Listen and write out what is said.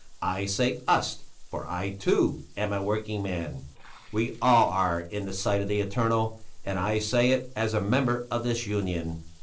I say us for I, too, am a working man we all are in the sight of the Eternal and I say it as a member of this Union.